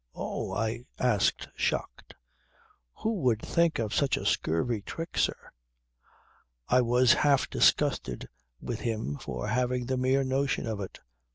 "Oh!" I asked shocked, "who would think of such a scurvy trick, sir?" I was half disgusted with him for having the mere notion of it.